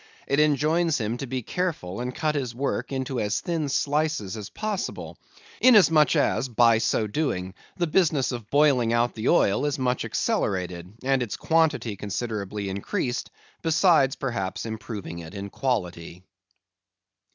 It enjoins him to be careful, and cut his work into as thin slices as possible, inasmuch as by so doing the business of boiling out the oil is much accelerated, and its quantity considerably increased, besides perhaps improving it in quality.